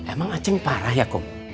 emang aceh parah ya kum